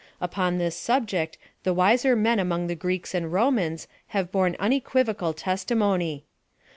Upon this subject the wiser men among the Greeks and Romans have borne unequivocal testi mony.